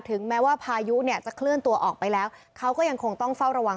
แม้ว่าพายุเนี่ยจะเคลื่อนตัวออกไปแล้วเขาก็ยังคงต้องเฝ้าระวัง